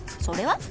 それは？